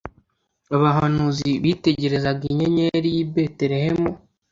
abahanuzi bitegerezaga Inyenyeri y’i Betelehemu